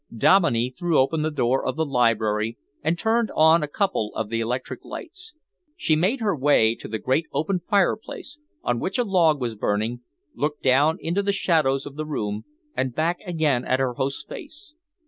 Dominey threw open the door of the library and turned on a couple of the electric lights. She made her way to the great open fireplace, on which a log was burning, looked down into the shadows of the room and back again at her host's face.